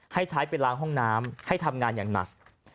ให้ใช้ไปล้างห้องน้ำให้ทำงานอย่างหนัก